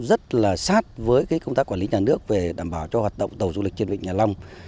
rất là sát với công tác quản lý nhà nước về đảm bảo cho hoạt động tàu du lịch trên vịnh hạ long